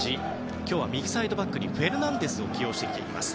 今日は右サイドバックにフェルナンデスを起用しています。